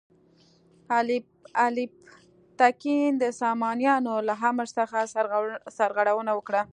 الپتکین د سامانیانو له امر څخه سرغړونه وکړه.